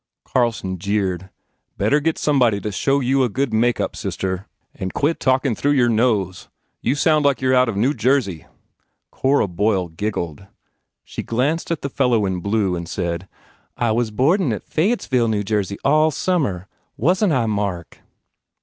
Carlson jeered, "Better get some body to show you a good makeup, sister, and quit 13 THE FAIR REWARDS talkin through your nose. You sound like you re out of New Jersey !" Cora Boyle giggled. She glanced at the fellow in blue and said, "I was boardin at Fayettesville, New Jersey, all summer. Wasn t I, Mark?